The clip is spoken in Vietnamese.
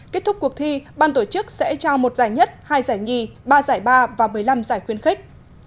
kết thúc cuộc thi ban tổ chức sẽ trao một giải nhất hai giải nhì ba giải ba và một mươi năm giải khuyên khích